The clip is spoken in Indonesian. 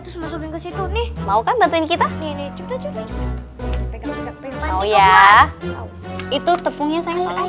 terus masukin ke situ nih mau kan bantuin kita ini juga cukup ya itu tepungnya saya